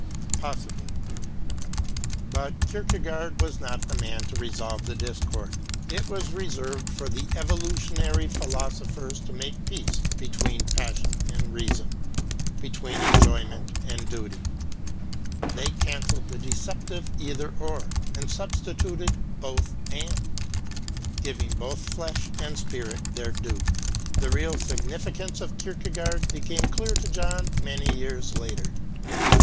Possibly. But Kierkegaard was not the man to resolve the discord. It was reserved for the evolutionary philosophers to make peace between passion and reason, between enjoyment and duty. They cancelled the deceptive Either Or, and substituted Both And, giving both flesh and spirit their due. The real significance of Kierkegaard became clear to John many years later.